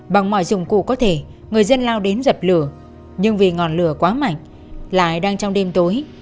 bằng mọi dụng cụ có thể người dân lao đến dập lửa nhưng vì ngọn lửa quá mạnh lại đang trong đêm tối